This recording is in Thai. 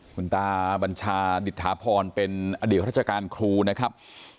คุณตาบัญชาดิษฐาพรเป็นอดีตราชการครูนะครับ